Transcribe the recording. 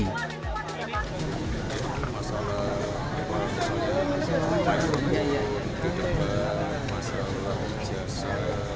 kejadiannya di kabupaten sragen kemudian dianggap sebagai masalah ijasa